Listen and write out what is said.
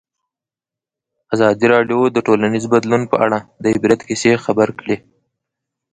ازادي راډیو د ټولنیز بدلون په اړه د عبرت کیسې خبر کړي.